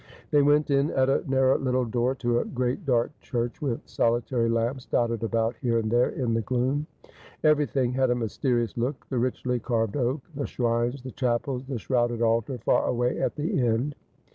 They went in at a narrow little door to a great dark church, with solitary lamps dotted about here and there in the gloom. Everything had a mysterious look ; the richly carved oak, the shrines, the chapels, the shrouded altar far away at the end.